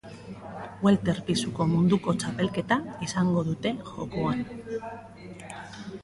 Welter pisuko munduko txapelketa izango dute jokoan.